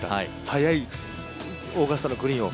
速いオーガスタのグリーンを。